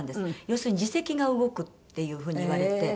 要するに耳石が動くっていう風に言われて。